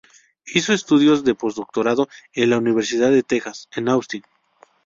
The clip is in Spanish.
Hizo estudios de posdoctorado en la Universidad de Texas, en Austin.